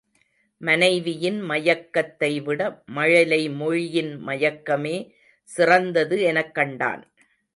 மனைவியின் முயக்கத்தைவிட மழலை மொழியின் மயக்கமே சிறந்தது எனக்கண்டான்.